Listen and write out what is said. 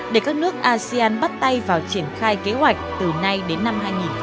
để các nước asean bắt tay vào triển khai kế hoạch từ nay đến năm hai nghìn hai mươi năm